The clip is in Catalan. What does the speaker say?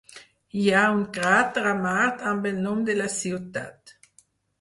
Hi ha un crater a Mart amb el nom de la ciutat.